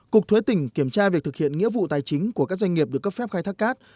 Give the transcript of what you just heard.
cục thuế tỉnh kiểm tra việc thực hiện nghĩa vụ tài chính của các doanh nghiệp được cấp phép khai thác cát